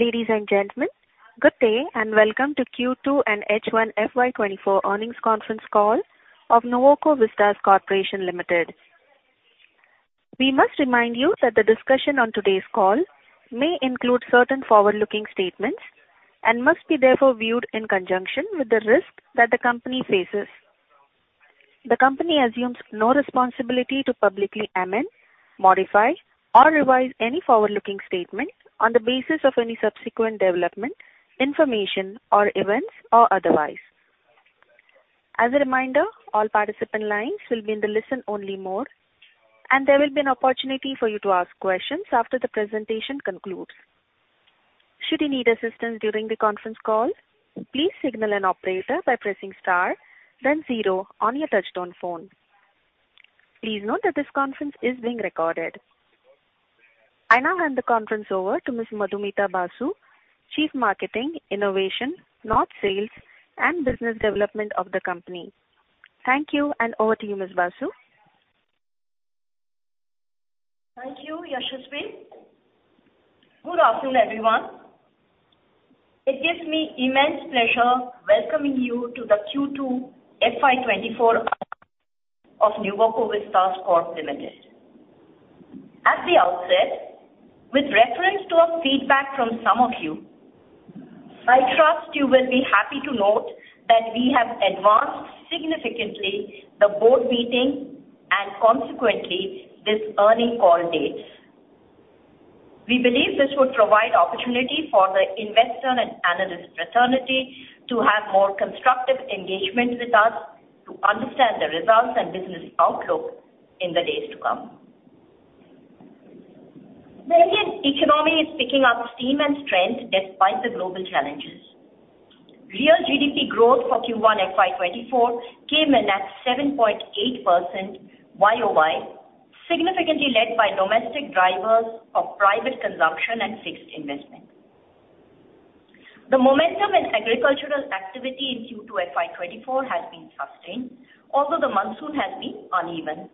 Ladies and gentlemen, good day and welcome to Q2 and H1 FY 2024 earnings conference call of Nuvoco Vistas Corporation Limited. We must remind you that the discussion on today's call may include certain forward-looking statements and must be therefore viewed in conjunction with the risk that the company faces. The company assumes no responsibility to publicly amend, modify, or revise any forward-looking statement on the basis of any subsequent development, information or events, or otherwise. As a reminder, all participant lines will be in the listen only mode, and there will be an opportunity for you to ask questions after the presentation concludes. Should you need assistance during the conference call, please signal an operator by pressing star then zero on your touchtone phone. Please note that this conference is being recorded. I now hand the conference over to Ms. Madhumita Basu, Chief Marketing, Innovation, North Sales and Business Development of the company. Thank you and over to you, Ms. Basu. Thank you, Yashasvi. Good afternoon, everyone. It gives me immense pleasure welcoming you to the Q2 FY 2024 of Nuvoco Vistas Corp Limited. At the outset, with reference to a feedback from some of you, I trust you will be happy to note that we have advanced significantly the board meeting and consequently this earning call dates. We believe this would provide opportunity for the investor and analyst fraternity to have more constructive engagement with us to understand the results and business outlook in the days to come. The Indian economy is picking up steam and strength despite the global challenges. Real GDP growth for Q1 FY 2024 came in at 7.8% YoY, significantly led by domestic drivers of private consumption and fixed investment. The momentum in agricultural activity in Q2 FY 2024 has been sustained. Although the monsoon has been uneven.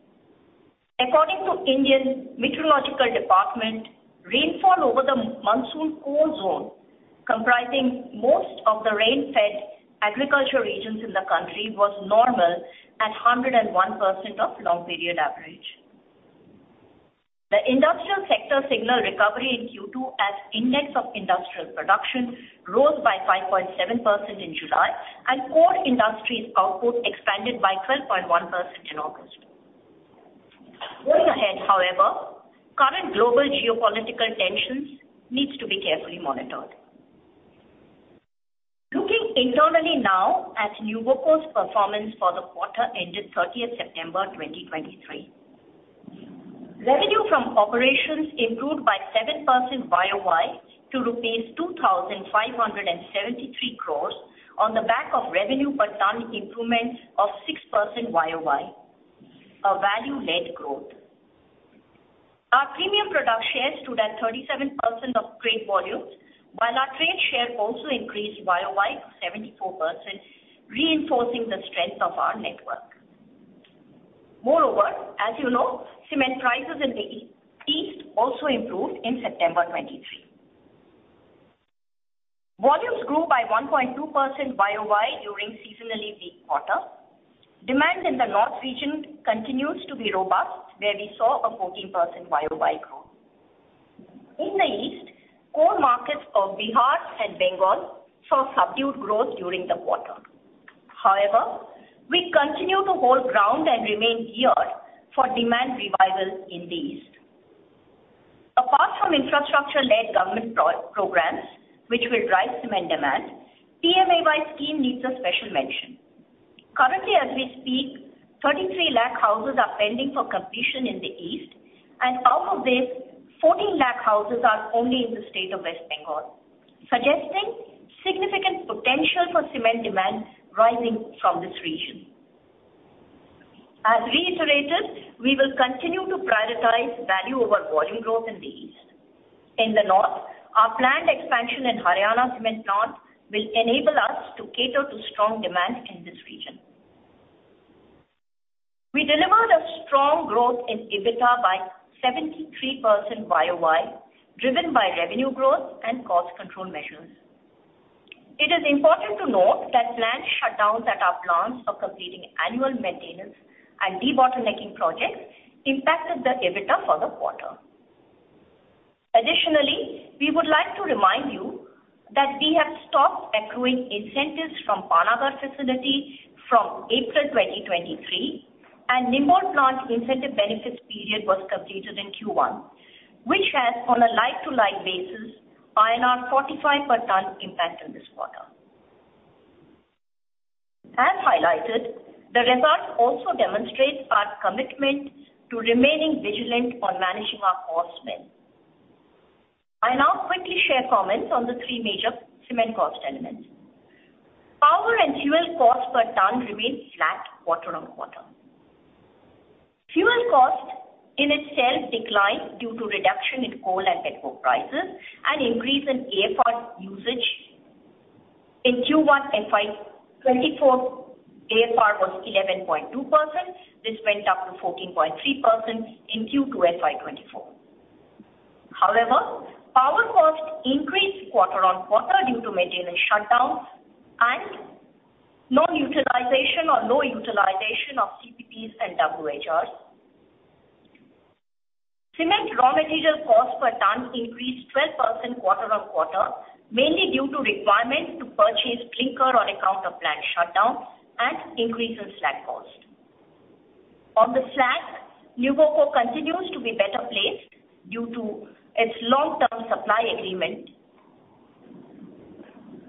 According to India Meteorological Department, rainfall over the monsoon core zone, comprising most of the rain-fed agriculture regions in the country, was normal at 101% of long period average. The industrial sector signaled recovery in Q2 as Index of Industrial Production rose by 5.7% in July, and core industries output expanded by 12.1% in August. Going ahead, however, current global geopolitical tensions needs to be carefully monitored. Looking internally now at Nuvoco's performance for the quarter ended 30th September 2023. Revenue from operations improved by 7% YoY to rupees 2,573 crores on the back of revenue per ton improvement of 6% YoY, a value-led growth. Our premium product shares stood at 37% of trade volumes, while our trade share also increased YoY to 74%, reinforcing the strength of our network. Moreover, as you know, cement prices in the east also improved in September 2023. Volumes grew by 1.2% year-over-year during seasonally weak quarter. Demand in the north region continues to be robust, where we saw a 14% year-over-year growth. In the east, core markets of Bihar and Bengal saw subdued growth during the quarter. We continue to hold ground and remain geared for demand revival in the east. Apart from infrastructure-led government programs which will drive cement demand, PMAY scheme needs a special mention. Currently as we speak, 33 lakh houses are pending for completion in the east, and out of this, 14 lakh houses are only in the state of West Bengal, suggesting significant potential for cement demand rising from this region. As reiterated, we will continue to prioritize value over volume growth in the east. In the north, our planned expansion in Haryana Cement North will enable us to cater to strong demand in this region. We delivered a strong growth in EBITDA by 73% year-over-year, driven by revenue growth and cost control measures. It is important to note that planned shutdowns at our plants are completing annual maintenance and debottlenecking projects impacted the EBITDA for the quarter. We would like to remind you that we have stopped accruing incentives from Panagarh facility from April 2023 and Neemuch plant incentive benefits period was completed in Q1, which has on a like-to-like basis INR 45 per ton impact in this quarter. As highlighted, the results also demonstrate our commitment to remaining vigilant on managing our cost spend. I now quickly share comments on the three major cement cost elements. Power and fuel cost per ton remained flat quarter-on-quarter. Fuel cost in itself declined due to reduction in coal and pet coke prices and increase in AFR usage. In Q1 FY 2024, AFR was 11.2%. This went up to 14.3% in Q2 FY 2024. Power cost increased quarter-on-quarter due to maintenance shutdowns and non-utilization or low utilization of CPPs and WHRs. Cement raw material cost per ton increased 12% quarter-on-quarter, mainly due to requirements to purchase clinker on account of plant shutdowns and increase in slag cost. Nuvoco continues to be better placed due to its long-term supply agreement.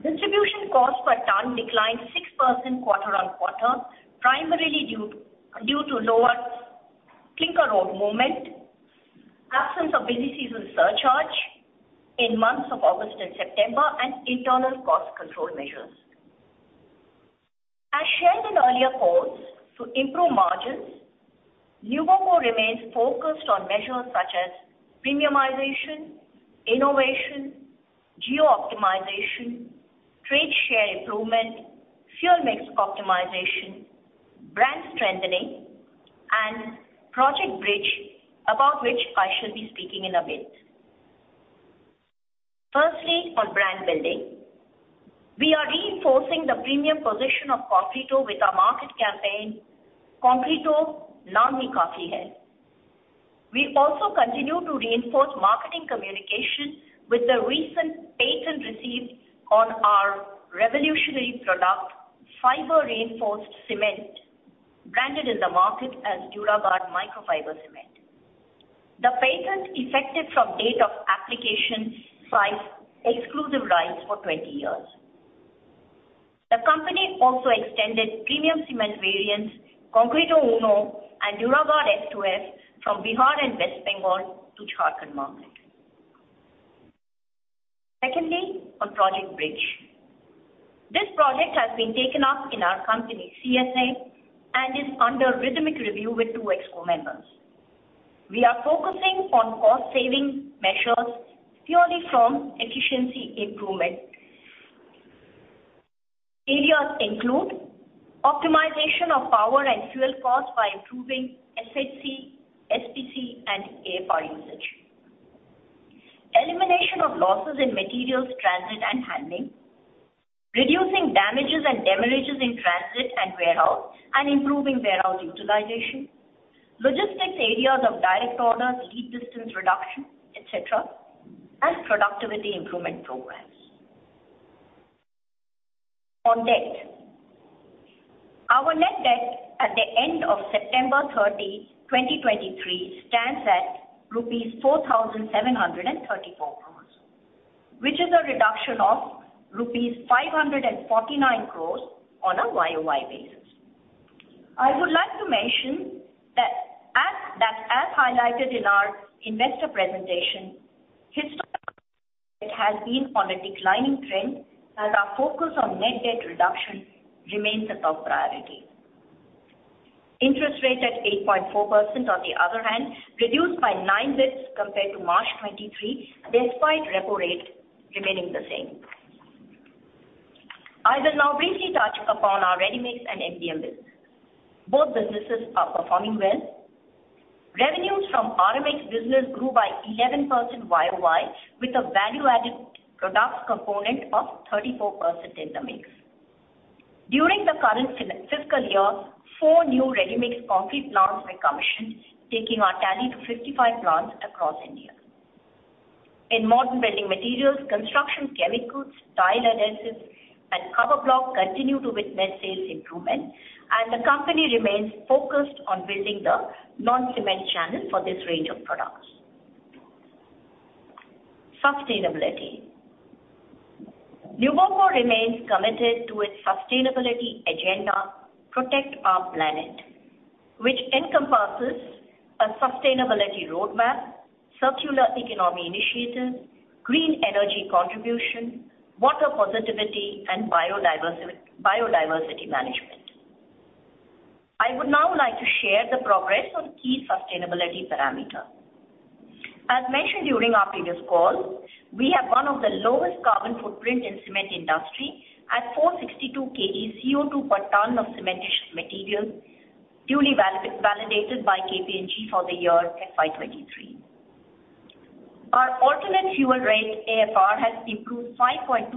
Distribution cost per ton declined 6% quarter-on-quarter, primarily due to lower clinker road movement, absence of busy season surcharge in months of August and September, and internal cost control measures. As shared in earlier calls, to improve margins, Nuvoco remains focused on measures such as premiumization, innovation, geo-optimization, trade share improvement, fuel mix optimization, brand strengthening, and Project Bridge, about which I shall be speaking in a bit. Firstly, on brand building. We are reinforcing the premium position of Concreto with our market campaign, "Concreto Kamaal." We also continue to reinforce marketing communication with the recent patent received on our revolutionary product, fiber-reinforced cement, branded in the market as Duragard Microfiber Cement. The patent effective from date of application cites exclusive rights for 20 years. The company also extended premium cement variants, Concreto Uno and Duragard Xtra F2F, from Bihar and West Bengal to Jharkhand market. Secondly, on Project Bridge. This project has been taken up in our company CSA and is under rhythmic review with two ExCo members. We are focusing on cost-saving measures purely from efficiency improvement. Areas include optimization of power and fuel cost by improving SHC, SPC, and AFR usage, elimination of losses in materials transit and handling, reducing damages and demurrages in transit and warehouse and improving warehouse utilization, logistics areas of direct orders, lead distance reduction, et cetera, and productivity improvement programs. On debt. Our net debt at the end of September 30, 2023, stands at rupees 4,734 crores, which is a reduction of rupees 549 crores on a YoY basis. I would like to mention that as highlighted in our investor presentation, historically it has been on a declining trend, and our focus on net debt reduction remains a top priority. Interest rate at 8.4%, on the other hand, reduced by 9 basis points compared to March 2023, despite repo rate remaining the same. I will now briefly touch upon our readymix and MBM business. Both businesses are performing well. Revenues from our readymix business grew by 11% YoY with a value-added products component of 34% in the mix. During the current fiscal year, four new readymix concrete plants were commissioned, taking our tally to 55 plants across India. In Modern Building Materials, construction chemicals, tile adhesives, and cover block continue to witness sales improvement, and the company remains focused on building the non-cement channel for this range of products. Sustainability. Nuvoco remains committed to its sustainability agenda, Protect Our Planet, which encompasses a sustainability roadmap, circular economy initiatives, green energy contribution, water positivity, and biodiversity management. I would now like to share the progress on key sustainability parameters. As mentioned during our previous call, we have one of the lowest carbon footprint in cement industry at 462 kg CO2 per ton of cementitious materials, duly validated by KPMG for the year FY 2023. Our alternate fuel rate AFR has improved 5.2%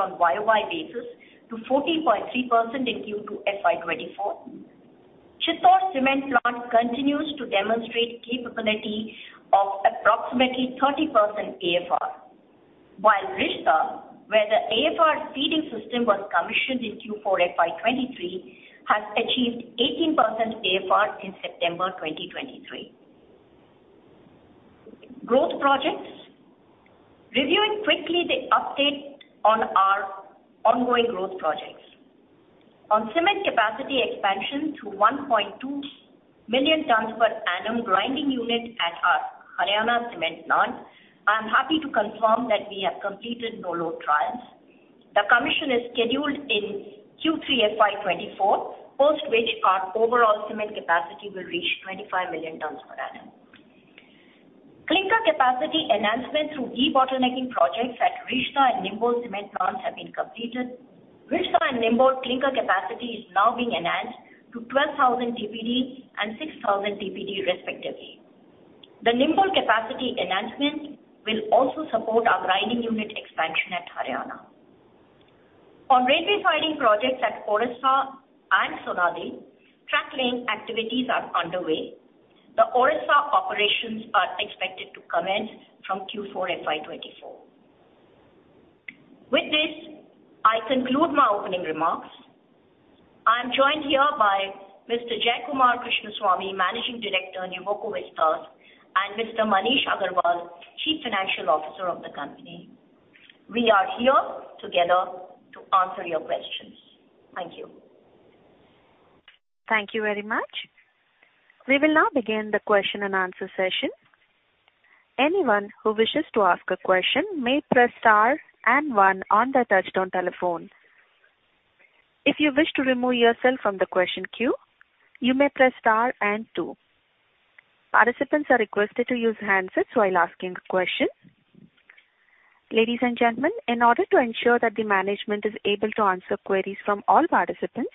on YoY basis to 14.3% in Q2 FY 2024. Chittor Cement Plant continues to demonstrate capability of approximately 30% AFR. While Risda, where the AFR feeding system was commissioned in Q4 FY 2023, has achieved 18% AFR in September 2023. Growth projects. Reviewing quickly the update on our ongoing growth projects. On cement capacity expansion to 1.2 million tons per annum grinding unit at our Haryana cement plant, I am happy to confirm that we have completed no-load trials. The commission is scheduled in Q3 FY 2024, post which our overall cement capacity will reach 25 million tons per annum. Clinker capacity enhancement through debottlenecking projects at Risda and Nimbol cement plants have been completed. Risda and Nimbol clinker capacity is now being enhanced to 12,000 TPD and 6,000 TPD respectively. The Nimbol capacity enhancement will also support our grinding unit expansion at Haryana. On railway siding projects at Risda and Sonadih, track laying activities are underway. The Risda operations are expected to commence from Q4 FY 2024. With this, I conclude my opening remarks. I'm joined here by Mr. Jayakumar Krishnaswamy, Managing Director, Nuvoco Vistas, and Mr. Maneesh Agrawal, Chief Financial Officer of the company. We are here together to answer your questions. Thank you. Thank you very much. We will now begin the question and answer session. Anyone who wishes to ask a question may press star and one on their touch-tone telephone. If you wish to remove yourself from the question queue, you may press star and two. Participants are requested to use handsets while asking questions. Ladies and gentlemen, in order to ensure that the management is able to answer queries from all participants,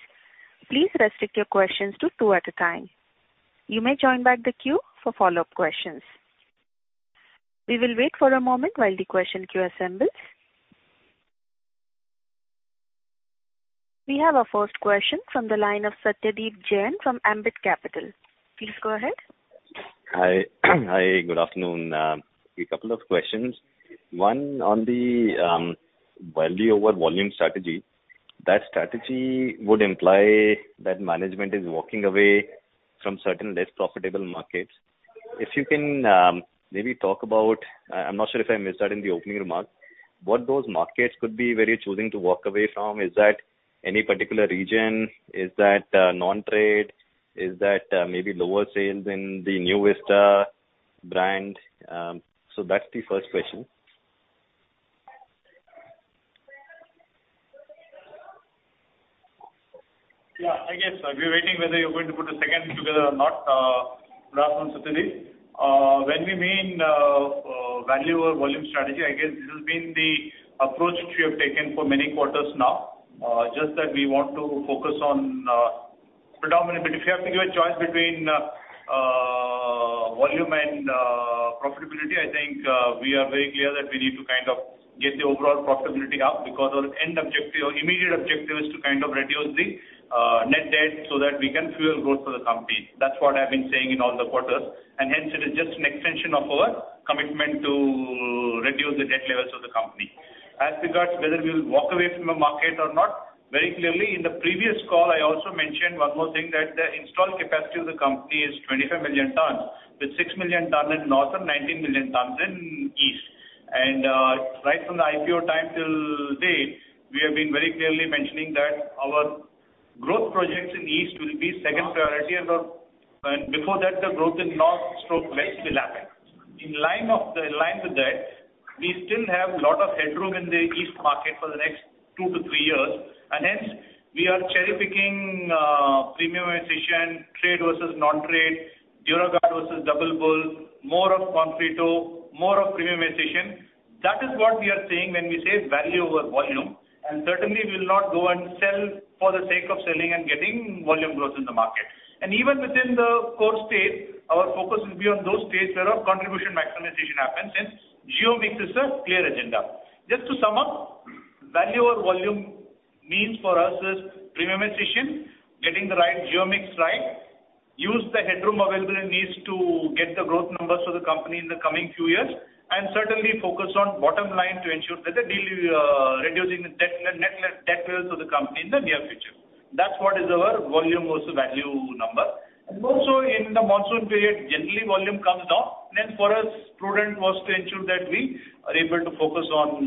please restrict your questions to two at a time. You may join back the queue for follow-up questions. We will wait for a moment while the question queue assembles. We have our first question from the line of Satyadeep Jain from Ambit Capital. Please go ahead. Hi. Good afternoon. A couple of questions. One on the value over volume strategy. That strategy would imply that management is walking away from certain less profitable markets. If you can maybe talk about, I'm not sure if I missed that in the opening remarks, what those markets could be where you're choosing to walk away from. Is that any particular region? Is that non-trade? Is that maybe lower sales in the NU Vista brand? That's the first question. Yeah, I guess we were waiting whether you were going to put a second together or not. Good afternoon, Satyadeep. When we mean value over volume strategy, I guess this has been the approach which we have taken for many quarters now, just that we want to focus on predominantly, but if we have to give a choice between volume and profitability, I think we are very clear that we need to kind of get the overall profitability up because our end objective, our immediate objective, is to kind of reduce the net debt so that we can fuel growth for the company. That's what I've been saying in all the quarters, it is just an extension of our commitment to reduce the debt levels of the company. As regards whether we'll walk away from a market or not, very clearly in the previous call, I also mentioned one more thing that the installed capacity of the company is 25 million tons with 6 million tons in north and 19 million tons in east. Right from the IPO time till date, we have been very clearly mentioning that our growth projects in east will be second priority and before that the growth in north/west will happen. In line with that, we still have a lot of headroom in the east market for the next two to three years, we are cherry-picking premiumization, trade versus non-trade, Duraguard versus Double Bull, more of Concreto, more of premiumization. That is what we are saying when we say value over volume, certainly we will not go and sell for the sake of selling and getting volume growth in the market. Even within the core states, our focus will be on those states where our contribution maximization happens since geo-mix is a clear agenda. Just to sum up, value over volume means for us is premiumization, getting the geo-mix right, use the headroom available in east to get the growth numbers for the company in the coming few years, certainly focus on bottom line to ensure that reducing the net debt levels of the company in the near future. That's what is our volume versus value number. Also in the monsoon period, generally volume comes down, for us, prudent was to ensure that we are able to focus on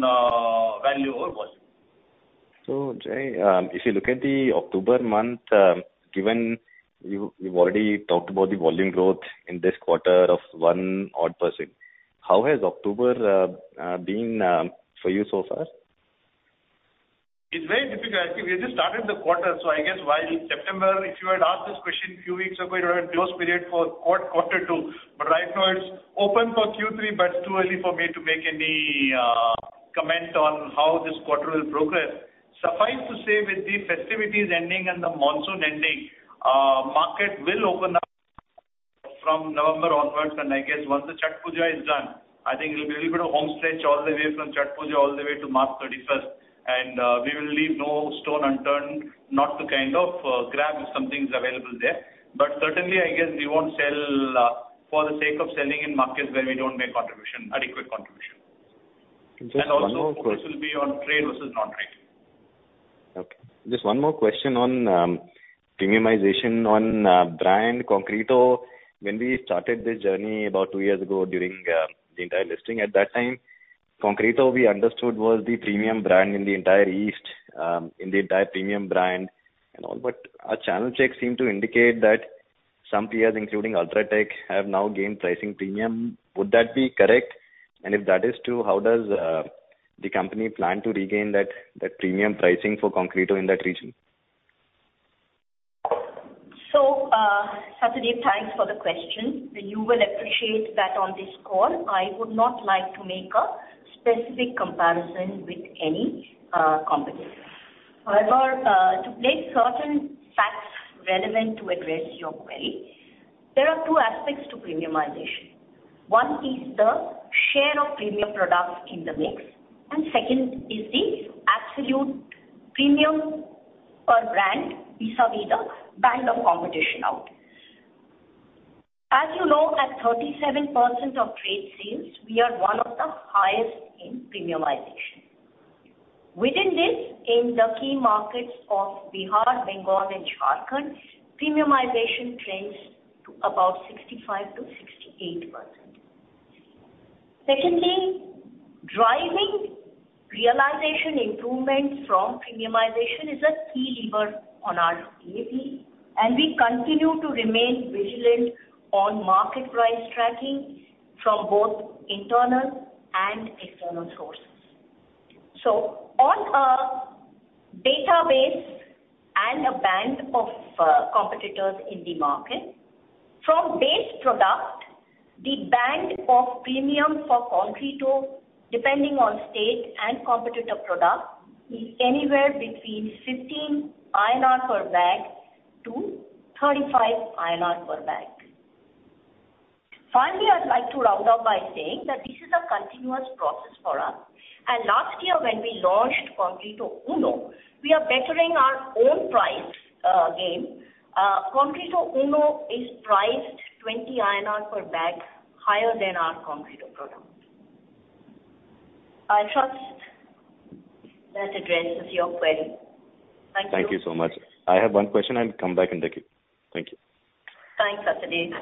value over volume. Jai, if you look at the October month, given you've already talked about the volume growth in this quarter of one-odd percent, how has October been for you so far? It's very difficult. I think we have just started the quarter. I guess while September, if you had asked this question a few weeks ago, we would have had close period for quarter two, right now it's open for Q3, but it's too early for me to make any comment on how this quarter will progress. Suffice to say, with the festivities ending and the monsoon ending, market will open up from November onwards, I guess once the Chhath Puja is done, I think it'll be a little bit of home stretch all the way from Chhath Puja all the way to March 31st. We will leave no stone unturned not to kind of grab if something's available there. Certainly, I guess we won't sell for the sake of selling in markets where we don't make adequate contribution. Just one more question. Also, focus will be on trade versus non-trade. Okay. Just one more question on premiumization on brand Concreto. When we started this journey about two years ago during the entire listing at that time, Concreto, we understood, was the premium brand in the entire east, in the entire premium brand and all. Our channel checks seem to indicate that some peers, including UltraTech, have now gained pricing premium. Would that be correct? If that is true, how does the company plan to regain that premium pricing for Concreto in that region? Satyadeep, thanks for the question. You will appreciate that on this call, I would not like to make a specific comparison with any competitor. However, to make certain facts relevant to address your query, there are two aspects to premiumization. One is the share of premium products in the mix, and second is the absolute premium per brand vis-a-vis the band of competition out. As you know, at 37% of trade sales, we are one of the highest in premiumization. Within this, in the key markets of Bihar, Bengal, and Jharkhand, premiumization trends to about 65%-68%. Driving realization improvements from premiumization is a key lever on our profitability, we continue to remain vigilant on market price tracking from both internal and external sources. On a database and a band of competitors in the market, from base product, the band of premium for Concreto, depending on state and competitor product, is anywhere between 15 INR per bag-INR 35 per bag. I'd like to round up by saying that this is a continuous process for us. Last year, when we launched Concreto Uno, we are bettering our own price game. Concreto Uno is priced 20 INR per bag higher than our Concreto product. I trust that addresses your query. Thank you. Thank you so much. I have one question. I'll come back and take it. Thank you. Thanks, Satyadeep.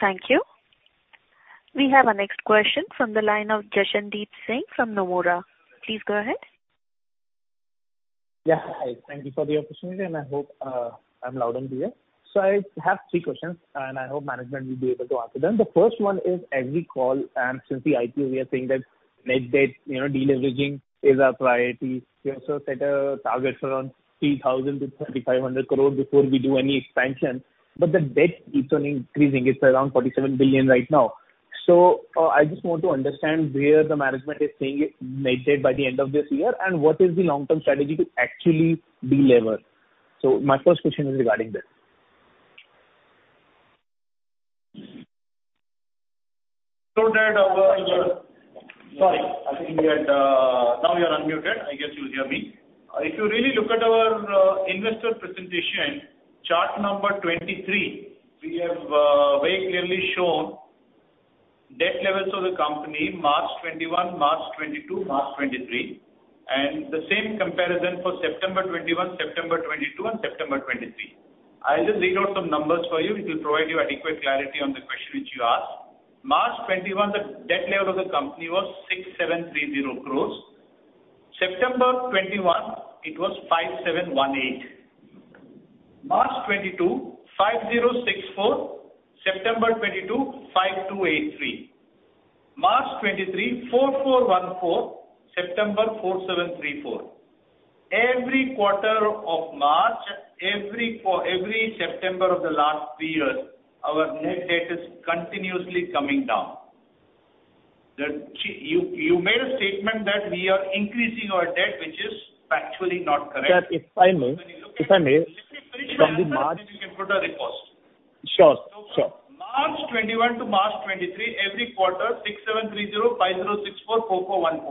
Thank you. We have our next question from the line of Jaswandeep Singh from Nomura. Please go ahead. Yeah. Hi. Thank you for the opportunity, and I hope I'm loud and clear. I have three questions, and I hope management will be able to answer them. The first one is every call and since the IPO, we are saying that net debt deleveraging is our priority. We also set a target for around 3,000 crore to 3,500 crore before we do any expansion. The debt keeps on increasing. It's around 47 billion right now. I just want to understand where the management is saying it made it by the end of this year, and what is the long-term strategy to actually delever? My first question is regarding this. Sorry. I think we had. Now you are unmuted. I guess you'll hear me. If you really look at our investor presentation, chart number 23, we have very clearly shown debt levels of the company March 2021, March 2022, March 2023, and the same comparison for September 2021, September 2022, and September 2023. I'll just read out some numbers for you. It will provide you adequate clarity on the question which you asked. March 2021, the debt level of the company was 6,730 crore. September 2021, it was 5,718. March 2022, 5,064. September 2022, 5,283. March 2023, 4,414. September, 4,734. Every quarter of March, every September of the last three years, our net debt is continuously coming down. You made a statement that we are increasing our debt, which is factually not correct. Sir, if I may. Let me finish my answer. You can put a riposte. Sure. March 2021 to March 2023, every quarter 6,730, 5,064, 4,414.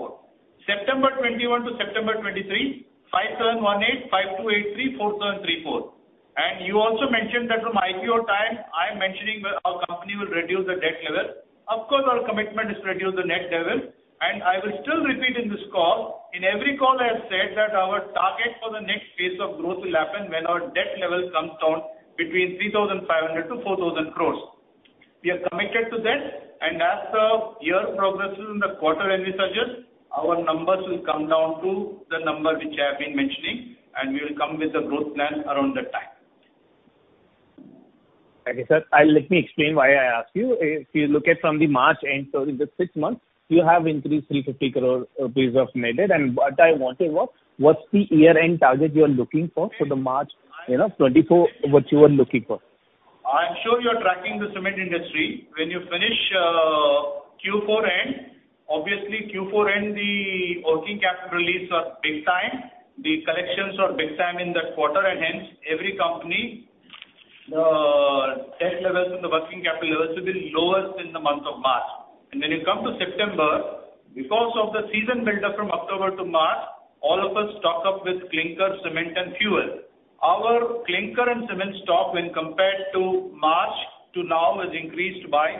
September 2021 to September 2023, 5,718, 5,283, INR 4,734. You also mentioned that from IPO time, I am mentioning our company will reduce the debt level. Of course, our commitment is to reduce the net level, and I will still repeat in this call. In every call, I have said that our target for the next phase of growth will happen when our debt level comes down between 3,500 crore to 4,000 crore. We are committed to that. As the year progresses in the quarter, when we suggest, our numbers will come down to the number which I have been mentioning, and we will come with a growth plan around that time. Okay, sir. Let me explain why I asked you. If you look at from the March end, in the six months you have increased 350 crore rupees of net debt. What I wanted was, what's the year-end target you are looking for the March 2024, what you are looking for? I'm sure you are tracking the cement industry. When you finish Q4 end, obviously Q4 end, the working capital release are big time. The collections are big time in that quarter, hence every company, the debt levels and the working capital levels will be lowest in the month of March. When you come to September, because of the season buildup from October to March, all of us stock up with clinker, cement and fuel. Our clinker and cement stock when compared to March to now has increased by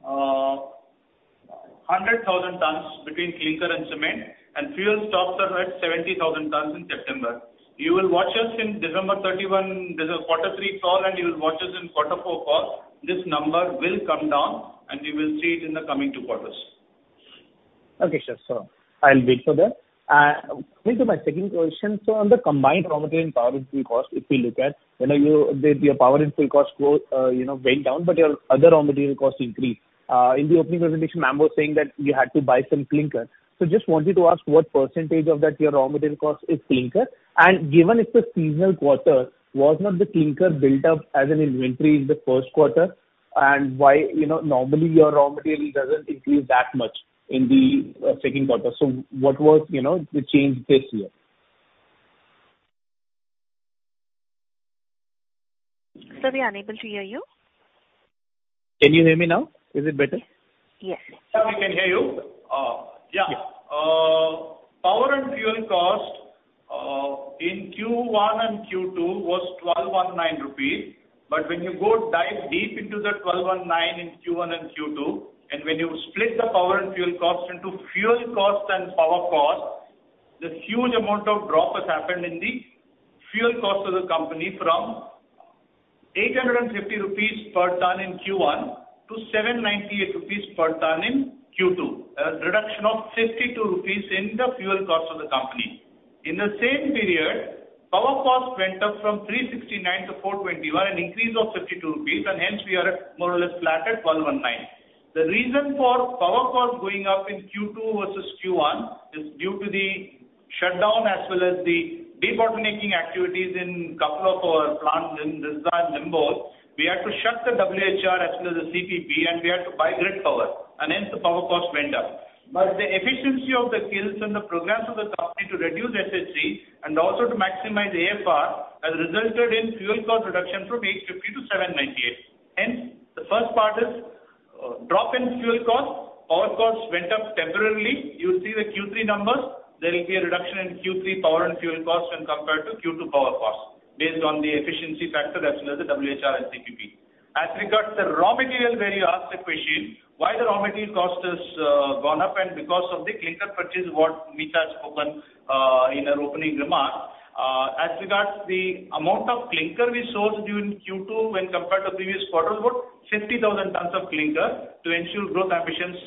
100,000 tons between clinker and cement, and fuel stocks are at 70,000 tons in September. You will watch us in December 31. There's a quarter three call, you will watch us in quarter four call. This number will come down, you will see it in the coming two quarters. Okay, sure. I'll wait for that. Coming to my second question. On the combined raw material and power input cost, if you look at your power input cost went down, your other raw material costs increased. In the opening presentation, ma'am was saying that you had to buy some clinker. Just wanted to ask what % of that your raw material cost is clinker? Given it's a seasonal quarter, was not the clinker built up as an inventory in the first quarter? Normally, your raw material doesn't increase that much in the second quarter. What was the change this year? Sir, we are unable to hear you. Can you hear me now? Is it better? Yes. Yeah, we can hear you. Yeah. Yeah. Power and fuel cost in Q1 and Q2 was 1,219 rupees. When you go dive deep into that 1,219 in Q1 and Q2, and when you split the power and fuel cost into fuel cost and power cost, the huge amount of drop has happened in the fuel cost of the company from INR 850 per tonne in Q1 to 798 rupees per tonne in Q2. A reduction of 52 rupees in the fuel cost of the company. In the same period, power cost went up from 369 to 421, an increase of 52 rupees. Hence, we are at more or less flat at 1,219. The reason for power cost going up in Q2 versus Q1 is due to the shutdown as well as the debottlenecking activities in a couple of our plants in Risda and Nimbol. We had to shut the WHR as well as the CPP, and we had to buy grid power, and hence the power cost went up. The efficiency of the kilns and the programs of the company to reduce SHC and also to maximize AFR has resulted in fuel cost reduction from 850 to 798. Hence, the first part is drop in fuel cost. Power costs went up temporarily. You'll see the Q3 numbers. There will be a reduction in Q3 power and fuel cost when compared to Q2 power cost based on the efficiency factor as well as the WHR and CPP. As regards the raw material, where you asked the question, why the raw material cost has gone up and because of the clinker purchase what Mita has spoken in her opening remarks. As regards the amount of clinker we sourced during Q2 when compared to previous quarter, about 50,000 tonnes of clinker to ensure growth ambitions.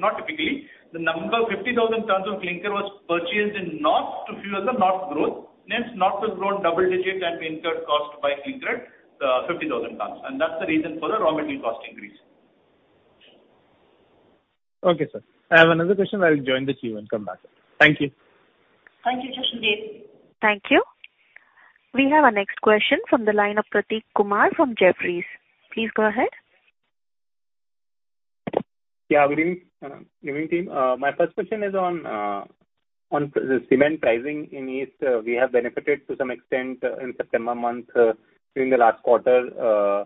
Not typically, the number 50,000 tonnes of clinker was purchased in North to fuel the North growth. North will grow in double digits and we incurred cost by clinker, 50,000 tonnes. That's the reason for the raw material cost increase. Okay, sir. I have another question. I will join the queue and come back. Thank you. Thank you, Jaswandeep. Thank you. We have our next question from the line of Prateek Kumar from Jefferies. Please go ahead. Good evening, team. My first question is on the cement pricing in East. We have benefited to some extent in September month during the last quarter.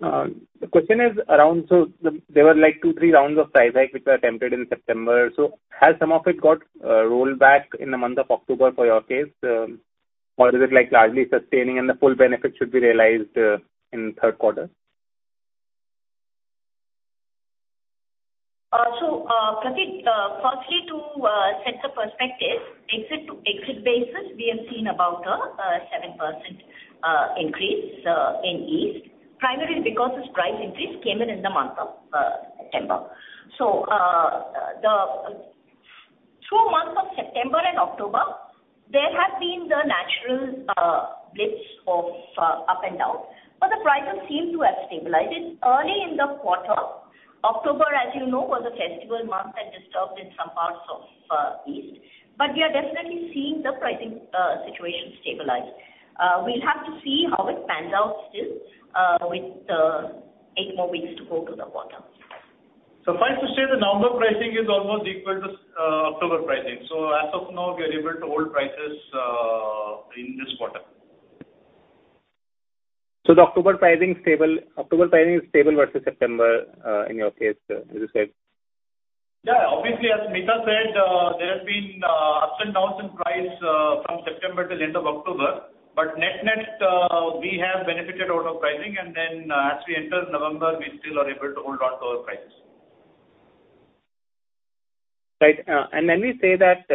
The question is around, like two, three rounds of price hike which were attempted in September. Has some of it got rolled back in the month of October for your case? Is it like largely sustaining and the full benefit should be realized in the third quarter? Prateek, firstly, to set the perspective, exit-to-exit basis, we have seen about a 7% increase in East, primarily because this price increase came in in the month of September. Through month of September and October, there have been the natural blips of up and down, but the prices seem to have stabilized early in the quarter. October, as you know, was a festival month and disturbed in some parts of East, we are definitely seeing the pricing situation stabilize. We'll have to see how it pans out still with eight more weeks to go to the quarter. Fair to say the November pricing is almost equal to October pricing. As of now, we are able to hold prices in this quarter. The October pricing is stable versus September, in your case, as you said. Yeah. Obviously, as Mita said, there have been ups and downs in price from September till end of October. Net-net, we have benefited out of pricing. As we enter November, we still are able to hold on to our prices. When we say that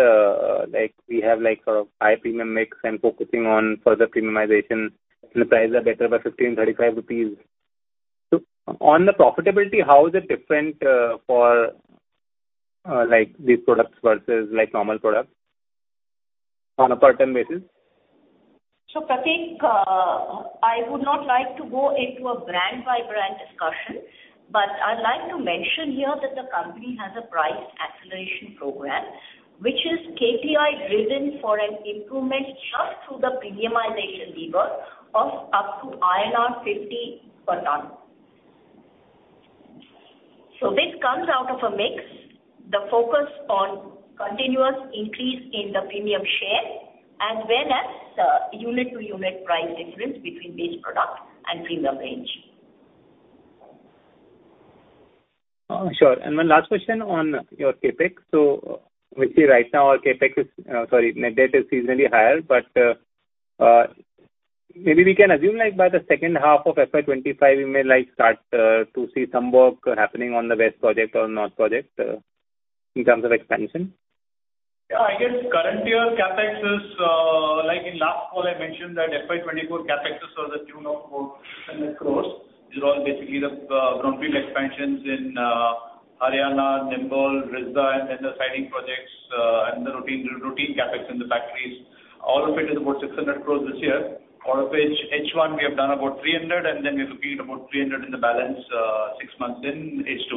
we have a high premium mix and focusing on further premiumization and the prices are better by ₹15, ₹35. On the profitability, how is it different for these products versus normal products on a per ton basis? Prateek, I would not like to go into a brand-by-brand discussion, but I'd like to mention here that the company has a price acceleration program, which is KPI driven for an improvement just through the premiumization lever of up to INR 50 per tonne. This comes out of a mix, the focus on continuous increase in the premium share as well as unit-to-unit price difference between base product and premium range. Sure. One last question on your CapEx. We see right now our CapEx is, sorry, net debt is seasonally higher, but maybe we can assume by the second half of FY 2025, we may start to see some work happening on the west project or north project in terms of expansion. Yeah, I guess current year CapEx is, like in last call I mentioned that FY 2024 CapEx is to the tune of 4,600 crore. These are all basically the greenfield expansions in Haryana, Nimbol, Risda, and then the siding projects and the routine capital. All of it is about 600 crore this year, out of which H1 we have done about 300, and then we're looking at about 300 in the balance six months in H2.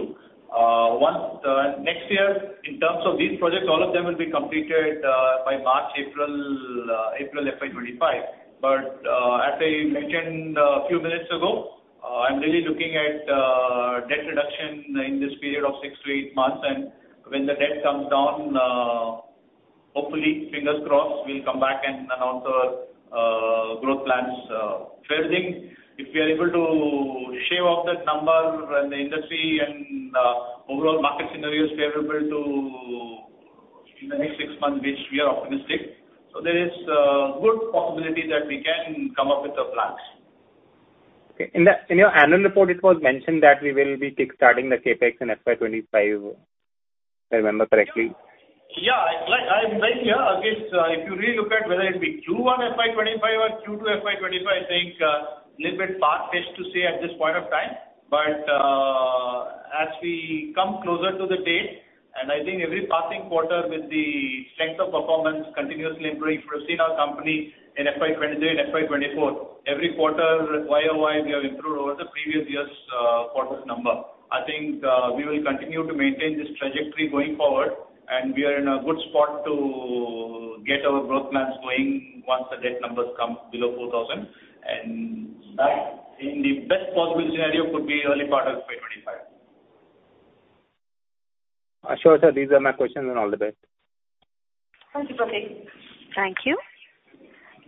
Next year, in terms of these projects, all of them will be completed by March, April FY 2025. As I mentioned a few minutes ago, I'm really looking at debt reduction in this period of six to eight months. When the debt comes down, hopefully, fingers crossed, we'll come back and announce our growth plans. Third thing, if we are able to shave off that number and the industry and the overall market scenario is favorable in the next six months, which we are optimistic, there is a good possibility that we can come up with the plans. Okay. In your annual report, it was mentioned that we will be kickstarting the CapEx in FY 2025, if I remember correctly. Yeah. If you really look at whether it be Q1 FY 2025 or Q2 FY 2025, I think a little bit far-fetched to say at this point of time. As we come closer to the date, and I think every passing quarter with the strength of performance continuously improving, if you have seen our company in FY 2023 and FY 2024, every quarter YoY we have improved over the previous year's quarter's number. I think we will continue to maintain this trajectory going forward, and we are in a good spot to get our growth plans going once the debt numbers come below 4,000. That, in the best possible scenario, could be early part of FY 2025. Sure, sir. These are my questions and all the best. Thank you, Prateek. Thank you.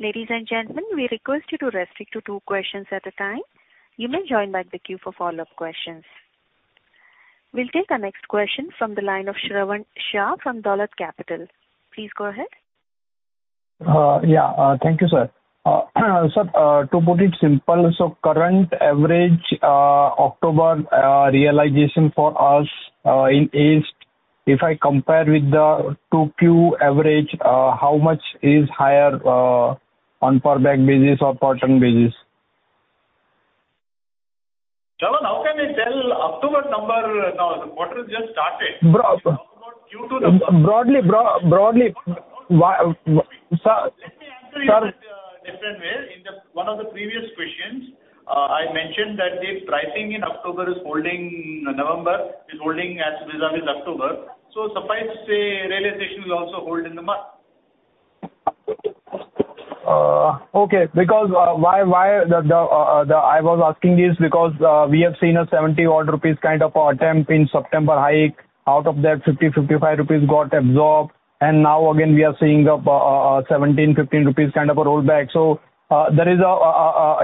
Ladies and gentlemen, we request you to restrict to two questions at a time. You may join back the queue for follow-up questions. We'll take our next question from the line of Shravan Shah from Dolat Capital. Please go ahead. Yeah. Thank you, sir. Sir, to put it simple, current average October realization for us in East, if I compare with the 2Q average, how much is higher on per bag basis or ton basis? Shravan, how can I tell October number now? The quarter has just started. Broadly. Let me answer you in a different way. In one of the previous questions, I mentioned that the pricing in October is holding November, is holding as vis-à-vis October. Suffice to say, realization will also hold in the month. Okay. Why I was asking is because we have seen an 70 rupees odd kind of attempt in September hike. Out of that, 50, 55 rupees got absorbed, and now again, we are seeing an 17, 15 rupees kind of a rollback.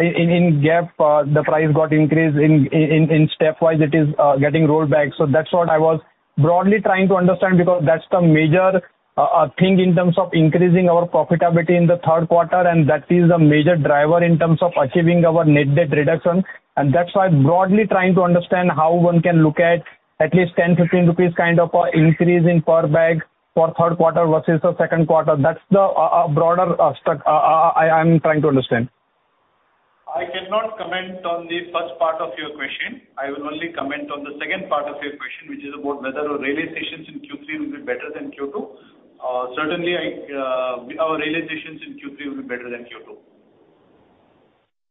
In gap, the price got increased, in stepwise it is getting rolled back. That's what I was broadly trying to understand because that's the major thing in terms of increasing our profitability in the third quarter, and that is the major driver in terms of achieving our net debt reduction. That's why broadly trying to understand how one can look at at least an 10 rupees, 15 rupees kind of an increase in per bag for third quarter versus the second quarter. That's the broader structure I'm trying to understand. I cannot comment on the first part of your question. I will only comment on the second part of your question, which is about whether our realizations in Q3 will be better than Q2. Certainly, our realizations in Q3 will be better than Q2.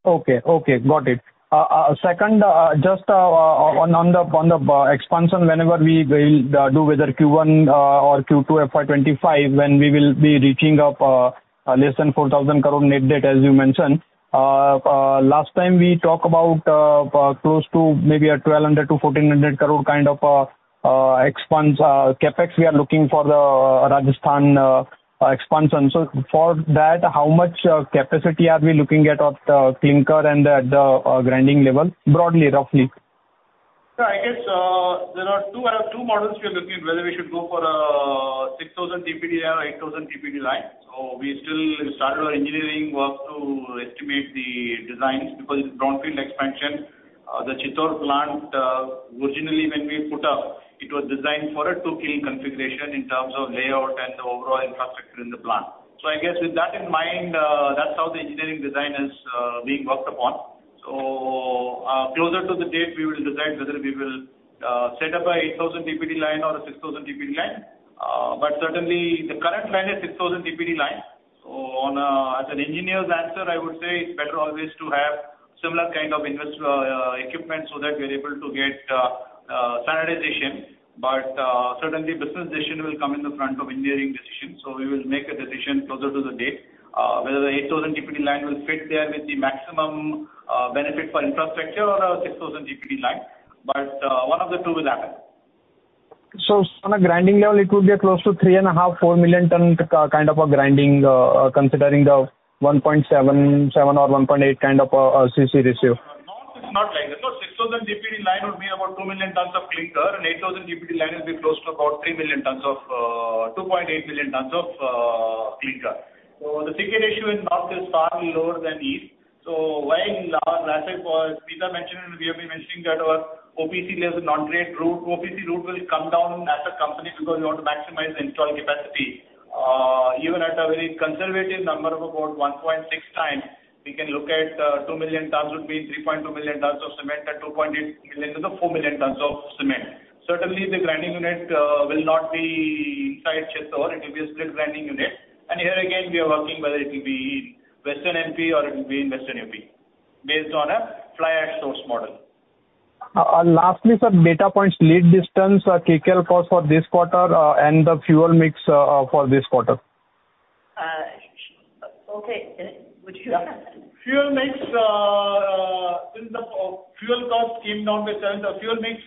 Okay. Got it. Second, just on the expansion, whenever we will do whether Q1 or Q2 FY 2025, when we will be reaching up less than 4,000 crore net debt, as you mentioned. Last time we talk about close to maybe an 1,200 crore to 1,400 crore kind of CapEx we are looking for the Rajasthan expansion. For that, how much capacity are we looking at the clinker and at the grinding level, broadly, roughly? Sir, I guess there are two models we are looking, whether we should go for a 6,000 TPD or 8,000 TPD line. We still started our engineering work to estimate the designs because it's brownfield expansion. The Chittorgarh plant, originally when we put up, it was designed for a two-kiln configuration in terms of layout and the overall infrastructure in the plant. I guess with that in mind, that's how the engineering design is being worked upon. Closer to the date, we will decide whether we will set up a 8,000 TPD line or a 6,000 TPD line. Certainly the current plan is 6,000 TPD line. As an engineer's answer, I would say it's better always to have similar kind of equipment so that we're able to get standardization. Certainly business decision will come in the front of engineering decision. We will make a decision closer to the date, whether the 8,000 TPD line will fit there with the maximum benefit for infrastructure or a 6,000 TPD line. One of the two will happen. On a grinding level, it would be a close to 3.5, 4 million ton kind of a grinding, considering the 1.7 or 1.8 kind of a CC ratio. North is not like this. 6,000 TPD line would be about 2 million tons of clinker and 8,000 TPD line will be close to about 2.8 million tons of clinker. The CC ratio in North is far lower than East. While Mita mentioned and we have been mentioning that our OPC versus non-OPC route, OPC route will come down as a company because we want to maximize installed capacity. Even at a very conservative number of about 1.6 times We can look at 2 million tons would be 3.2 million tons of cement and 2.8 million-4 million tons of cement. Certainly, the grinding unit will not be inside Chittor. It will be a split grinding unit. Here again, we are working whether it will be in western MP or it will be in western UP based on a fly ash source model. Lastly, sir, data points, lead distance or KKL cost for this quarter, and the fuel mix for this quarter. Okay. Would you Fuel mix. Since the fuel cost came down by seven, the fuel mix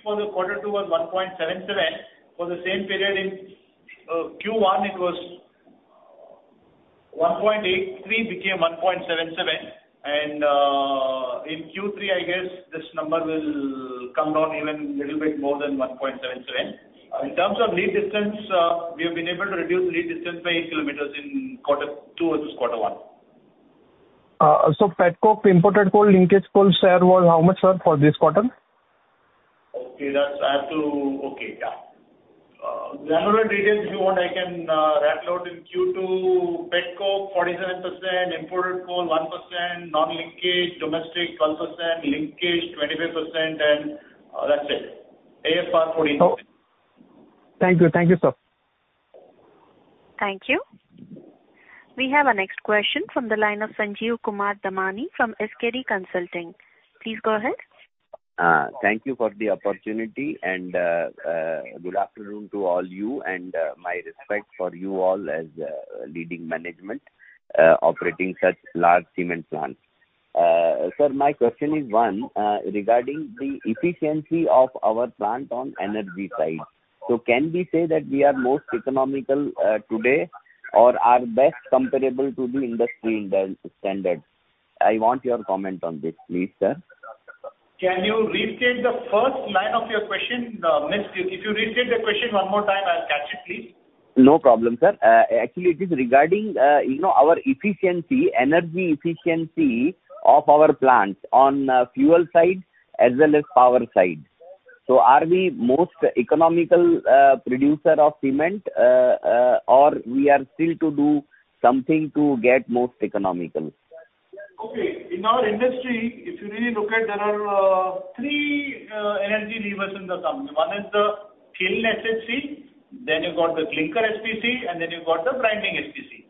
for the quarter two was 1.77. For the same period in Q1, it was 1.83, became 1.77, and in Q3, I guess this number will come down even a little bit more than 1.77. In terms of lead distance, we have been able to reduce lead distance by eight kilometers in quarter two versus quarter one. pet coke, imported coal, linkage coal share was how much, sir, for this quarter? Okay. Yeah. Granulate details, if you want, I can rattle out in Q2. pet coke, 47%, imported coal, 1%, non-linkage domestic, 12%, linkage, 25%, and that's it. AFR, 14%. Thank you. Thank you, sir. Thank you. We have our next question from the line of Sanjeev Kumar Damani from SKD Consultants. Please go ahead. Thank you for the opportunity and good afternoon to all you, my respect for you all as leading management operating such large cement plants. Sir, my question is, one, regarding the efficiency of our plant on energy side. Can we say that we are most economical today or are best comparable to the industry standards? I want your comment on this, please, sir. Can you restate the first line of your question? If you restate the question one more time, I'll catch it, please. No problem, sir. Actually, it is regarding our energy efficiency of our plants on fuel side as well as power side. Are we most economical producer of cement, or we are still to do something to get most economical? Okay. In our industry, if you really look at, there are three energy levers in the company. One is the kiln SHC, you've got the clinker SPC, you've got the grinding SPC.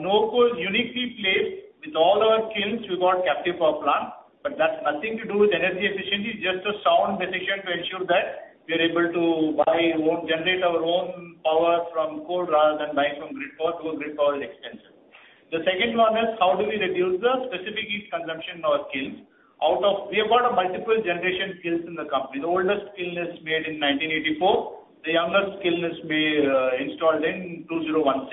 Nuvoco is uniquely placed. With all our kilns, we got captive power plant, but that's nothing to do with energy efficiency. It's just a sound decision to ensure that we are able to generate our own power from coal rather than buying from grid power, because grid power is expensive. The second one is how do we reduce the specific heat consumption in our kilns. We have got multiple generation kilns in the company. The oldest kiln is made in 1984. The youngest kiln is installed in 2016.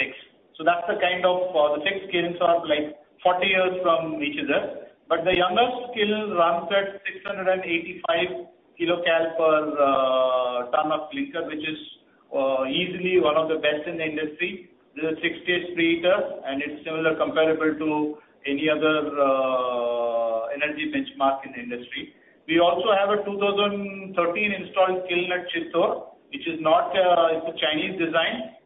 Six kilns are like 40 years from each other. The youngest kiln runs at 685 kiloCal per ton of clinker, which is easily one of the best in the industry. This is 6-stage preheater, and it's similar comparable to any other energy benchmark in the industry. We also have a 2013 installed kiln at Chittor. It's a Chinese design.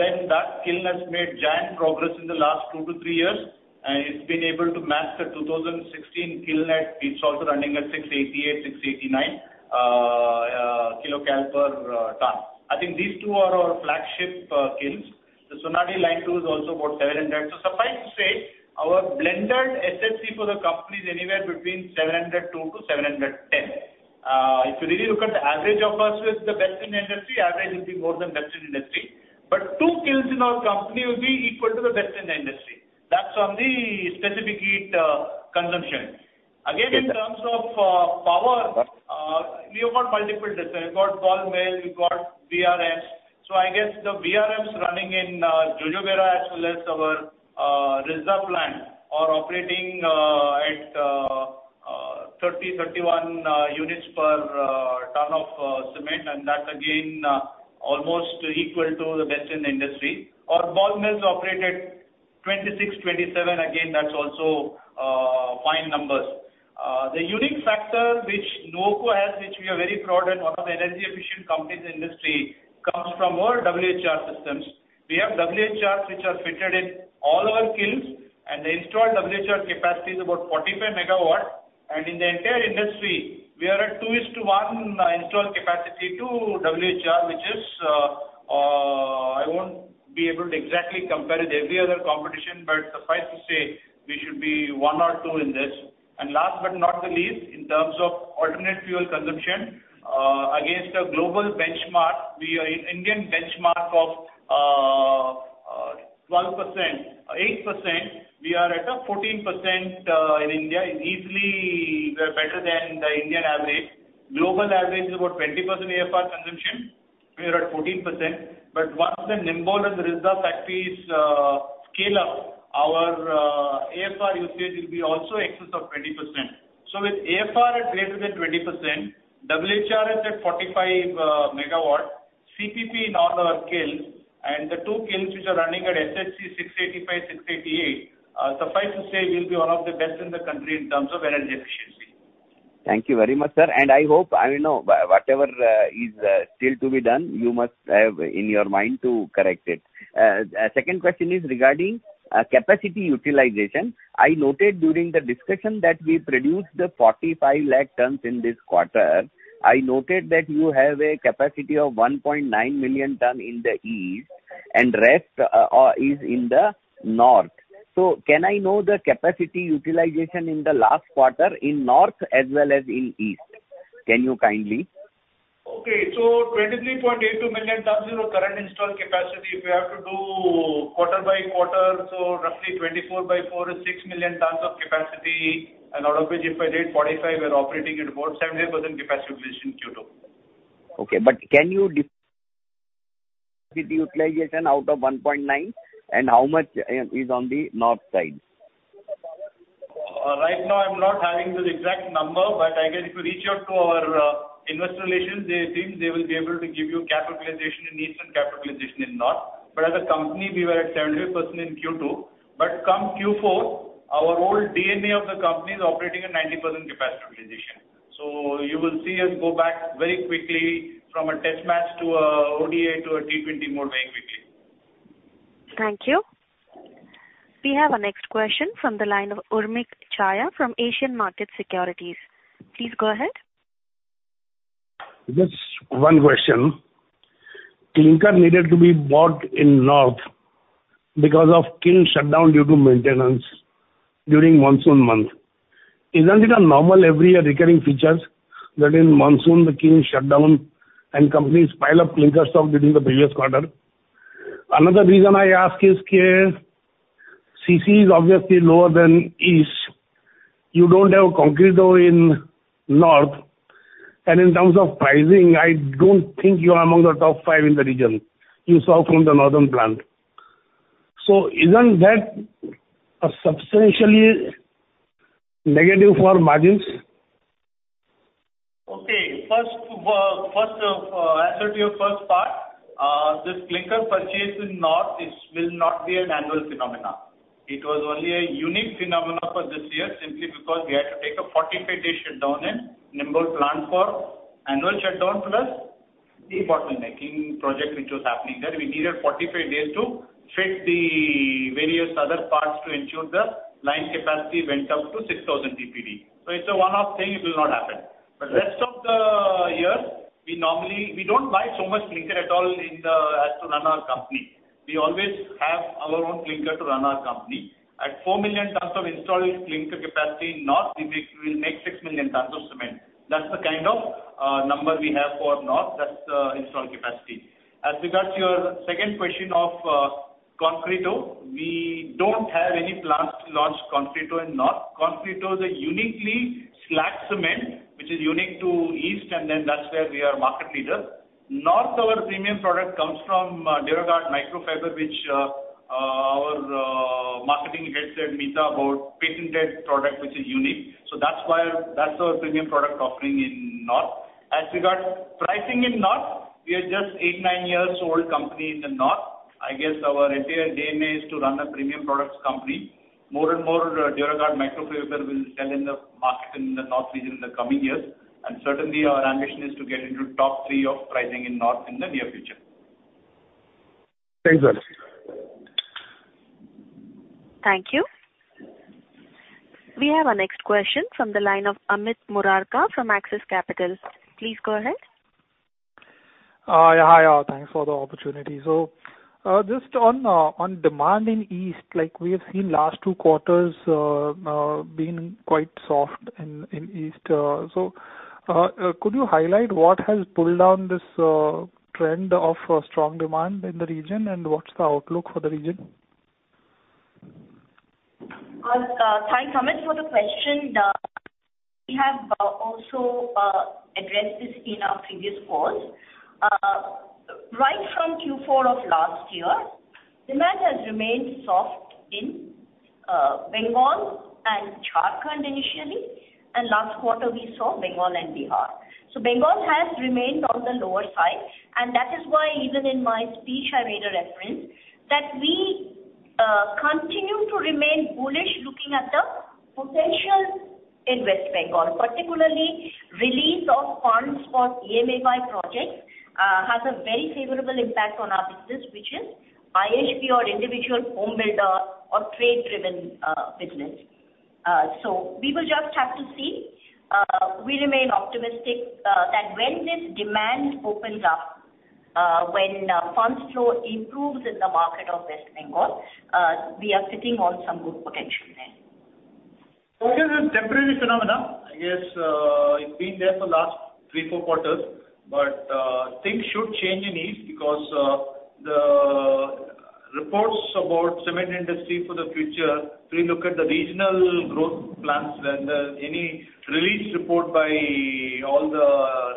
Then that kiln has made giant progress in the last two to three years, and it's been able to match the 2016 kiln that it's also running at 688, 689 kiloCal per ton. I think these two are our flagship kilns. The Sonadih line 2 is also about 700. So suffice to say, our blended SHC for the company is anywhere between 702 to 710. If you really look at the average of us with the best in the industry, average will be more than best in industry. Two kilns in our company will be equal to the best in the industry. That's on the specific heat consumption. Again, in terms of power, we have got multiple decisions. We've got ball mill, we've got VRMs. So I guess the VRMs running in Jojobera as well as our Risda plant are operating at 30, 31 units per ton of cement, and that's, again, almost equal to the best in the industry. Our ball mills operate at 26, 27. Again, that's also fine numbers. The unique factor which Nuvoco has, which we are very proud and one of the energy efficient companies in the industry, comes from our WHR systems. We have WHRs which are fitted in all our kilns, and the installed WHR capacity is about 45 MW. In the entire industry, we are at 2:1 installed capacity to WHR, which is I won't be able to exactly compare with every other competition, but suffice to say, we should be one or two in this. Last but not the least, in terms of alternate fuel consumption, against a global benchmark, Indian benchmark of 8%, we are at a 14% in India. Easily, we're better than the Indian average. Global average is about 20% AFR consumption. We are at 14%. But once the Nimbol and Risda factory scale up, our AFR usage will be also excess of 20%. So with AFR at greater than 20%, WHR is at 45 MW, CPP in all our kilns, and the two kilns which are running at SHC 685, 688, suffice to say, we'll be one of the best in the country in terms of energy efficiency. Thank you very much, sir. Second question is regarding capacity utilization. I noted during the discussion that we produced 45 lakh tons in this quarter. I noted that you have a capacity of 1.9 million tons in the East, and rest is in the North. So can I know the capacity utilization in the last quarter in North as well as in East? Can you kindly? 23.82 million tons is our current installed capacity. If you have to do quarter by quarter, roughly 24 by 4 is 6 million tons of capacity. Out of which, if I did 45, we are operating at about 70% capacity utilization in Q2. Okay. Can you differentiate the utilization out of 1.9, and how much is on the North side? Right now, I'm not having the exact number. I guess if you reach out to our investor relations team, they will be able to give you capacity utilization in East and capacity utilization in North. Come Q4, our whole DNA of the company is operating at 90% capacity utilization. You will see us go back very quickly from a test match to an ODI to a T20 mode very quickly. Thank you. We have our next question from the line of Urmik Chhaya from Asian Market Securities. Please go ahead. Just one question. Clinker needed to be bought in North because of kiln shutdown due to maintenance during monsoon month. Isn't it a normal every year recurring feature that in monsoon, the kiln shut down and companies pile up clinker stock during the previous quarter? Another reason I ask is, CC is obviously lower than East. You don't have a Concreto in North. In terms of pricing, I don't think you are among the top 5 in the region. You saw from the northern plant. Isn't that substantially negative for margins? Okay. Answer to your first part. This clinker purchase in North will not be an annual phenomenon. It was only a unique phenomenon for this year simply because we had to take a 45-day shutdown in Nimbol plant for annual shutdown, plus the debottlenecking project which was happening there. We needed 45 days to fit the various other parts to ensure the line capacity went up to 6,000 TPD. It's a one-off thing. It will not happen. Rest of the year, we don't buy so much clinker at all as to run our company. We always have our own clinker to run our company. At 4 million tons of installed clinker capacity in North, we will make 6 million tons of cement. That's the kind of number we have for North. That's the installed capacity. As regards your second question of Concreto, we don't have any plans to launch Concreto in North. Concreto is a uniquely slag cement, which is unique to East, that's where we are market leader. North, our premium product comes from Duraguard Microfiber, which our marketing head said about patented product which is unique. That's our premium product offering in North. As regards pricing in North, we are just 8, 9 years old company in the North. I guess our entire DNA is to run a premium products company. More and more Duraguard Microfiber will sell in the market in the North region in the coming years. Certainly, our ambition is to get into top 3 of pricing in North in the near future. Thanks a lot. Thank you. We have our next question from the line of Amit Murarka from Axis Capital. Please go ahead. Hi. Thanks for the opportunity. Just on demand in East, we have seen last two quarters being quite soft in East. Could you highlight what has pulled down this trend of strong demand in the region, and what's the outlook for the region? Thanks, Amit, for the question. We have also addressed this in our previous calls. Right from Q4 of last year, demand has remained soft in Bengal and Jharkhand initially, and last quarter we saw Bengal and Bihar. Bengal has remained on the lower side, and that is why even in my speech, I made a reference that we continue to remain bullish looking at the potential in West Bengal. Particularly, release of funds for AMA by projects has a very favorable impact on our business, which is IHB or individual home builder or trade-driven business. We will just have to see. We remain optimistic that when this demand opens up, when funds flow improves in the market of West Bengal, we are sitting on some good potential there. Okay. That's a temporary phenomenon. I guess it's been there for the last three, four quarters. Things should change in East because the reports about cement industry for the future, if we look at the regional growth plans and any release report by all the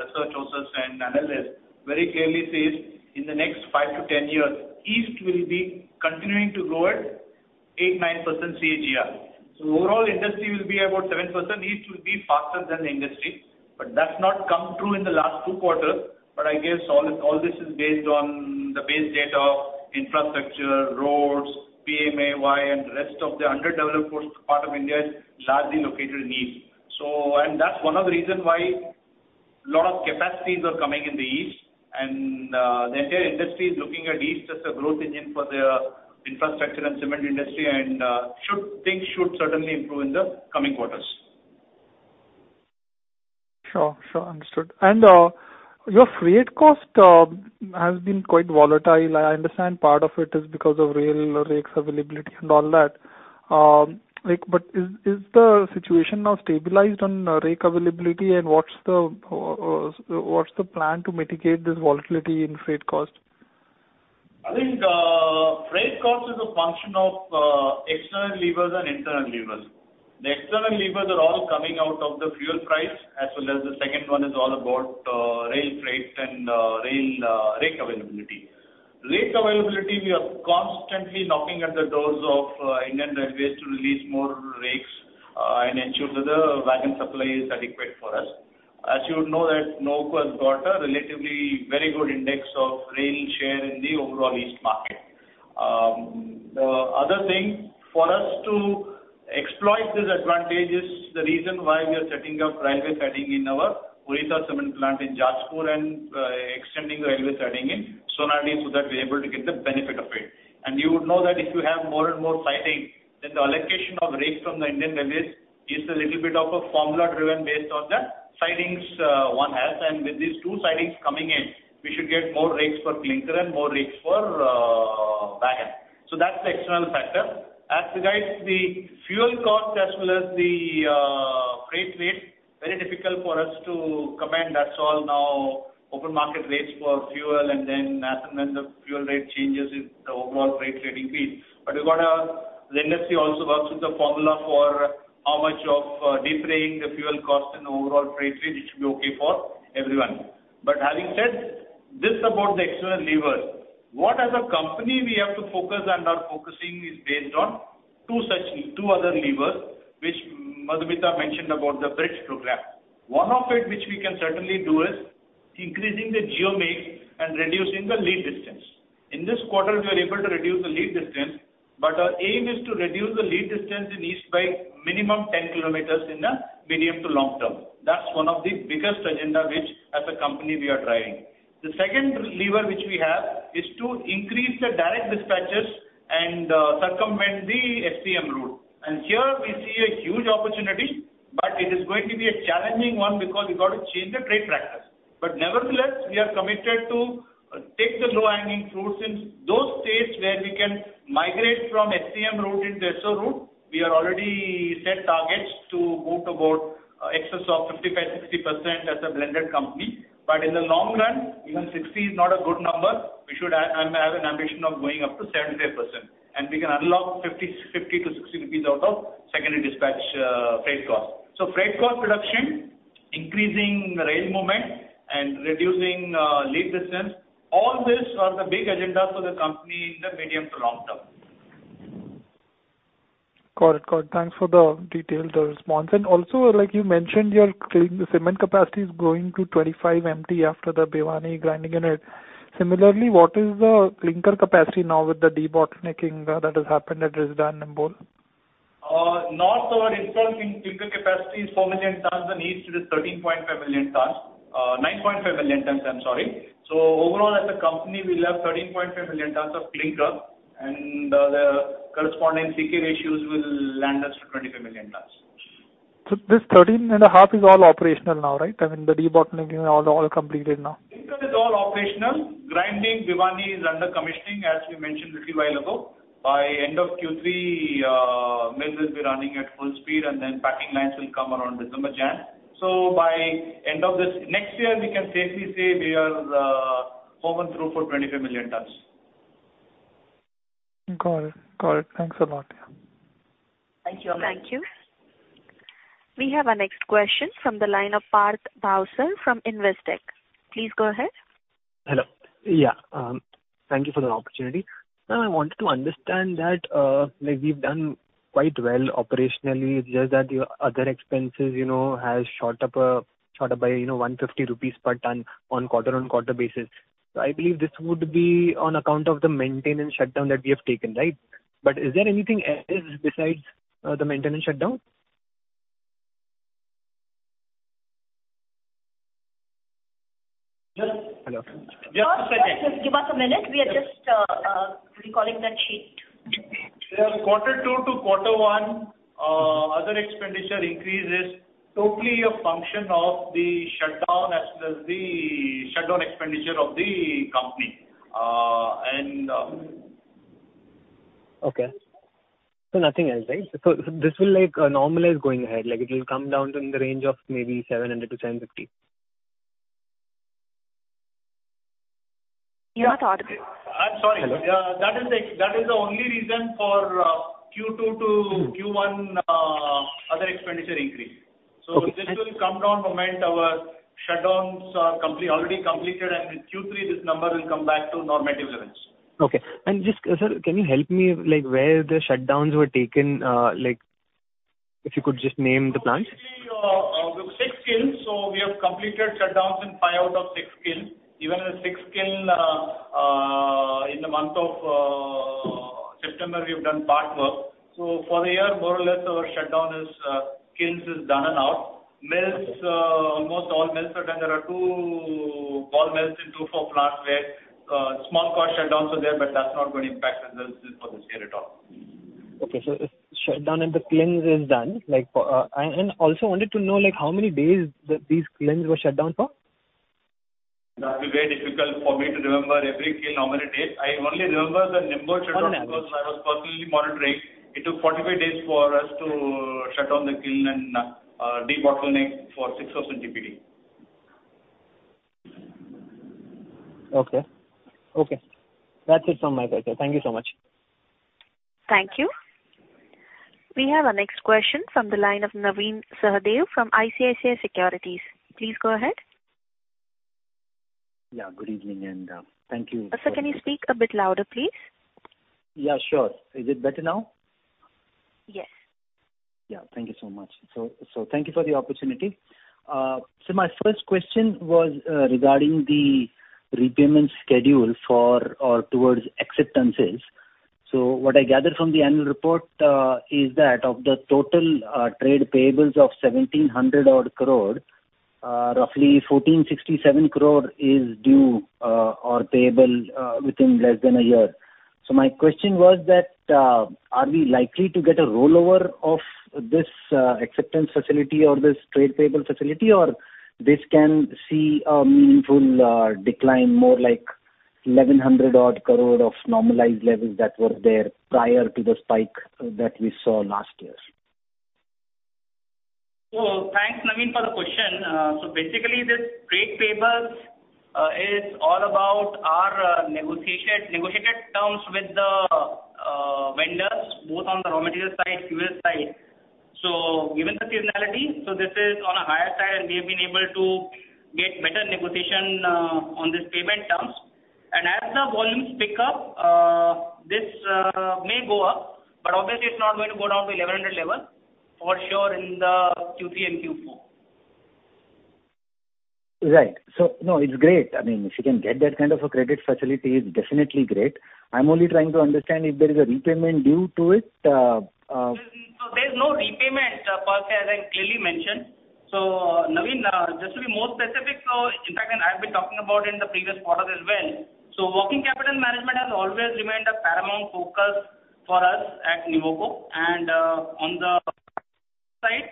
research houses and analysts, very clearly says in the next five to 10 years, East will be continuing to grow at 8, 9% CAGR. Overall industry will be about 7%, East will be faster than the industry. That's not come through in the last two quarters. I guess all this is based on the base data of infrastructure, roads, PMAY, and rest of the underdeveloped part of India is largely located in the East. That's one of the reasons why a lot of capacities are coming in the east, and the entire industry is looking at the east as a growth engine for their infrastructure and cement industry, and things should certainly improve in the coming quarters. Sure. Understood. Your freight cost has been quite volatile. I understand part of it is because of rail rakes availability and all that. Is the situation now stabilized on rake availability, and what's the plan to mitigate this volatility in freight cost? I think freight cost is a function of external levers and internal levers. The external levers are all coming out of the fuel price, as well as the second one is all about rail freight and rail rake availability. Rake availability, we are constantly knocking at the doors of Indian Railways to release more rakes and ensure that the wagon supply is adequate for us. As you know that Nuvoco has got a relatively very good index of rail share in the overall east market. The other thing, for us to exploit this advantage is the reason why we are setting up railway siding in our Orissa cement plant in Jajpur and extending the railway siding in Sonadih so that we're able to get the benefit of it. You would know that if you have more and more siding, then the allocation of rakes from the Indian Railways is a little bit of a formula driven based on the sidings one has. With these two sidings coming in, we should get more rakes for clinker and more rakes for bagged. That's the external factor. As regards the fuel cost as well as the freight rate, very difficult for us to comment. That's all now open market rates for fuel, and then as and when the fuel rate changes, the overall freight rate increase. The industry also works with a formula for how much of defraying the fuel cost and overall freight rate, it should be okay for everyone. Having said this about the external levers, what as a company we have to focus and are focusing is based on two other levers, which Madhumita mentioned about the Project Bridge program. One of it which we can certainly do is increasing the geo mix and reducing the lead distance. In this quarter, we are able to reduce the lead distance, but our aim is to reduce the lead distance in east by minimum 10 kilometers in the medium to long term. That's one of the biggest agenda which as a company we are driving. The second lever which we have is to increase the direct dispatches and circumvent the SCM route. Here we see a huge opportunity, but it is going to be a challenging one because we've got to change the trade practice. Nevertheless, we are committed to take the low-hanging fruits in those states where we can migrate from SCM route into ESO route. We are already set targets to go to about excess of 55%-60% as a blended company. In the long run, even 60% is not a good number. We should have an ambition of going up to 75%. We can unlock 50-60 rupees out of secondary dispatch freight cost. Freight cost reduction, increasing rail movement, and reducing lead distance. All these are the big agenda for the company in the medium to long term. Got it. Thanks for the detailed response. Also, like you mentioned, your cement capacity is growing to 25 MT after the Bhiwani grinding unit. Similarly, what is the clinker capacity now with the debottlenecking that has happened at Risda and Nimbol? North our installed clinker capacity is 4 million tonnes and east is 13.5 million tonnes. 9.5 million tonnes, I'm sorry. Overall, as a company, we'll have 13.5 million tonnes of clinker, and the corresponding CK ratios will land us to 25 million tonnes. This 13.5 is all operational now, right? I mean, the debottlenecking all completed now. Clinker is all operational. Grinding, Bhiwani is under commissioning, as we mentioned little while ago. By end of Q3, mills will be running at full speed, and then packing lines will come around December, January. By end of this next year, we can safely say we are open through for 25 million tonnes. Got it. Thanks a lot. Thank you. Thank you. We have our next question from the line of Parth Bhavsar from Investec. Please go ahead. Hello. Thank you for the opportunity. I wanted to understand that we've done quite well operationally. It's just that your other expenses has shot up by 150 rupees per tonne on quarter-on-quarter basis. I believe this would be on account of the maintenance shutdown that we have taken, right? Is there anything else besides the maintenance shutdown? Just a second. Give us a minute. We are just recalling that sheet. Quarter two to quarter one, other expenditure increase is totally a function of the shutdown as well as the shutdown expenditure of the company. Okay. Nothing else, right? This will normalize going ahead. It will come down in the range of maybe 700-750. Your thoughts? I'm sorry. That is the only reason for Q2 to Q1 other expenditure increase. Okay. This will come down the moment our shutdowns are already completed, in Q3 this number will come back to normative levels. Okay. Sir, can you help me where the shutdowns were taken? If you could just name the plants. Basically, we have six kilns, we have completed shutdowns in five out of six kilns. Even in the sixth kiln in the month of September, we've done part work. For the year, more or less, our shutdown kilns is done and out. Mills, almost all mills are done. There are two ball mills in two four plants where small cost shutdowns are there, but that's not going to impact the results for this year at all. Okay. Shutdown and the kilns is done. Also, I wanted to know how many days these kilns were shut down for? That'll be very difficult for me to remember every kiln, how many days. I only remember the Nimbol shutdown because I was personally monitoring. It took 45 days for us to shut down the kiln and debottleneck for 6,000 TPD. Okay. That's it from my side, sir. Thank you so much. Thank you. We have our next question from the line of Navin Sahadeo from ICICI Securities. Please go ahead. Yeah, good evening, and thank you. Sir, can you speak a bit louder, please? Yeah, sure. Is it better now? Yes. Yeah. Thank you so much. Thank you for the opportunity. My first question was regarding the repayment schedule for, or towards acceptances. What I gather from the annual report is that of the total trade payables of 1,700 odd crore, roughly 1,467 crore is due or payable within less than a year. My question was that, are we likely to get a rollover of this acceptance facility or this trade payable facility, or this can see a meaningful decline, more like 1,100 odd crore of normalized levels that were there prior to the spike that we saw last year? Thanks, Navin, for the question. Basically this trade payables is all about our negotiated terms with the vendors, both on the raw material side, fuel side. Given the seasonality, this is on a higher side, and we have been able to get better negotiation on these payment terms. As the volumes pick up, this may go up, but obviously it is not going to go down to 1,100 level, for sure in the Q3 and Q4. Right. No, it's great. If you can get that kind of a credit facility, it's definitely great. I'm only trying to understand if there is a repayment due to it. There's no repayment cost, as I clearly mentioned. Navin, just to be more specific, in fact, I've been talking about in the previous quarter as well. Working capital management has always remained a paramount focus for us at Nuvoco, and on the side,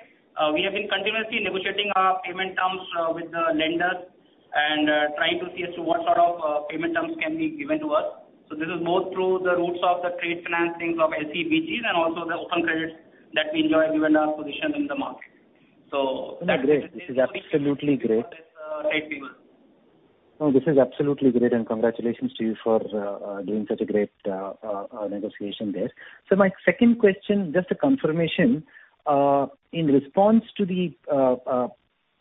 we have been continuously negotiating our payment terms with the lenders and trying to see as to what sort of payment terms can be given to us. This is more through the routes of the trade financings of SBLCs and also the open credits that we enjoy given our position in the market. No, great. This is absolutely great. For this trade payment. No, this is absolutely great, and congratulations to you for doing such a great negotiation there. My second question, just a confirmation. In response to the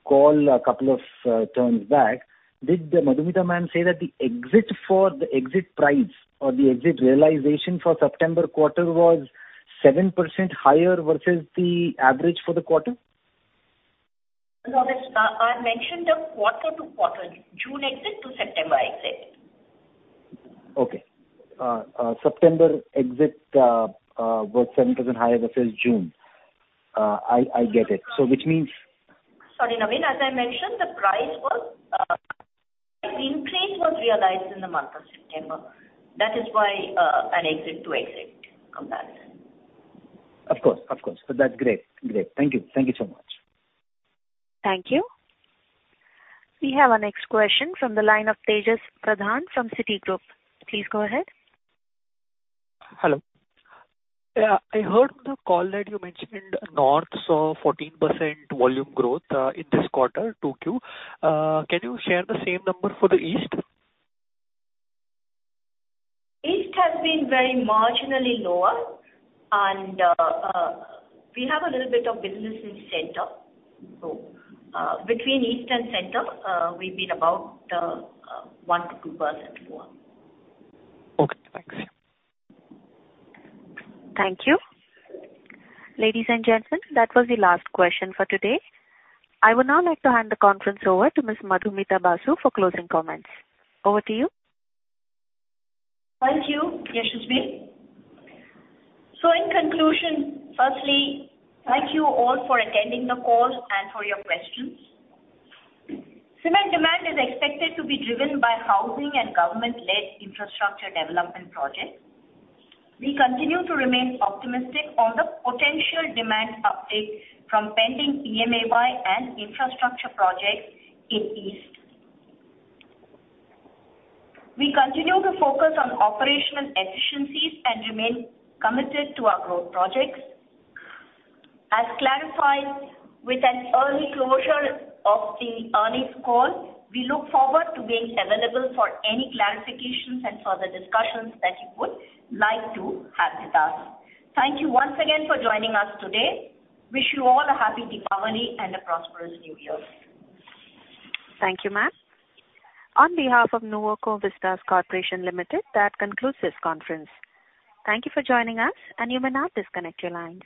call a couple of terms back, did Madhumita ma'am say that the exit for the exit price or the exit realization for September quarter was 7% higher versus the average for the quarter? No, I mentioned a quarter to quarter, June exit to September exit. Okay. September exit was 7% higher versus June. I get it. Sorry, Navin, as I mentioned, the increase was realized in the month of September. That is why an exit-to-exit comparison. Of course. That's great. Thank you so much. Thank you. We have our next question from the line of Tejas Pradhan from Citigroup. Please go ahead. Hello. I heard the call that you mentioned North saw 14% volume growth in this quarter, 2Q. Can you share the same number for the East? East has been very marginally lower, and we have a little bit of business in Center. Between East and Center, we've been about 1%-2% lower. Okay, thanks. Thank you. Ladies and gentlemen, that was the last question for today. I would now like to hand the conference over to Ms. Madhumita Basu for closing comments. Over to you. Thank you, Yashasvi. In conclusion, firstly, thank you all for attending the call and for your questions. Cement demand is expected to be driven by housing and government-led infrastructure development projects. We continue to remain optimistic on the potential demand uptick from pending PMAY and infrastructure projects in East. We continue to focus on operational efficiencies and remain committed to our growth projects. As clarified with an early closure of the earnings call, we look forward to being available for any clarifications and further discussions that you would like to have with us. Thank you once again for joining us today. Wish you all a happy Diwali and a prosperous new year. Thank you, ma'am. On behalf of Nuvoco Vistas Corporation Limited, that concludes this conference. Thank you for joining us, and you may now disconnect your lines.